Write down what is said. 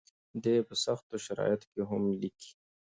دی په سختو شرایطو کې هم لیکي.